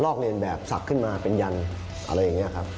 อกเรียนแบบศักดิ์ขึ้นมาเป็นยันอะไรอย่างนี้ครับ